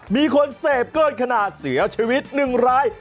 มีคนเสพเกิดขนาดเสียชีวิตหนึ่งร้าย